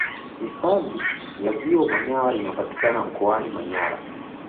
hifadhi ya ziwa manyara inapatikana mkoani manyara